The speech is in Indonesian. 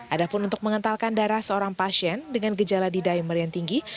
ada pun untuk mengentalkan darah seorang pasien dengan gejala d dimer yang tinggi